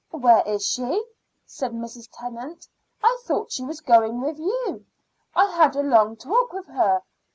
"Where is she?" said Mrs. Tennant. "I thought she was going with you. I had a long talk with her.